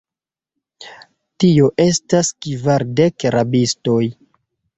Tio estis kvardek rabistoj.